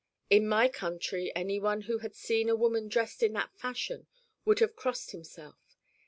In my country anyone who had seen a woman dressed in that fashion would have crossed himself.